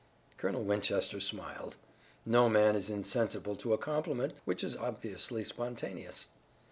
Colonel Winchester smiled. No man is insensible to a compliment which is obviously spontaneous.